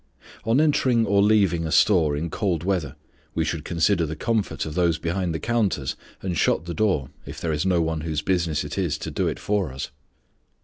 ON entering or leaving a store in cold weather we should consider the comfort of those behind the counters and shut the door, if there is no one whose business it is to do it for us.